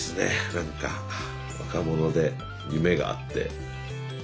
何か若者で夢があって。